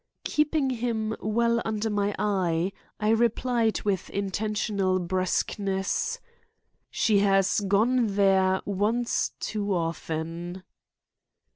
Keeping him well under my eye, I replied with intentional brusqueness: "She has gone there once too often!"